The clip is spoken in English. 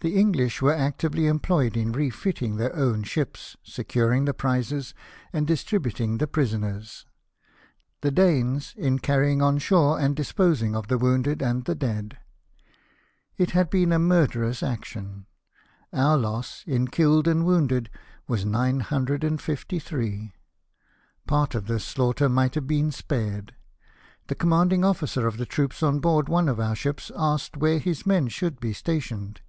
The English were actively em ployed in refitting their own ships, securing the prizes, and distributing the prisoners ; the Danes, in carrying on shore and disposing of the wounded and the dead. It had been a murderous action. Our loss, in killed and wounded, was nine himdred and iifty three. Part of this slaughter might have been spared. The commanding officer of the troops on board one of our ships asked where his men should be stationed.